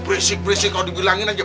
prisik prisik kalo dibilangin aja